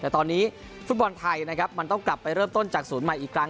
แต่ตอนนี้ฟุตบอลไทยนะครับมันต้องกลับไปเริ่มต้นจากศูนย์ใหม่อีกครั้ง